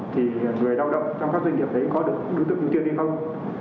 thì người lao động trong các doanh nghiệp đấy có được đối tượng ưu tiên hay không